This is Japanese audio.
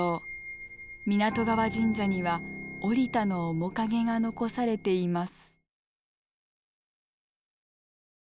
湊川神社には折田の面影が残されています。